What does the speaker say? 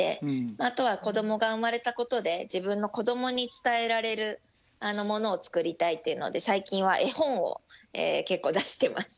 あとは子どもが生まれたことで自分の子どもに伝えられるものを作りたいっていうので最近は絵本を結構出してます。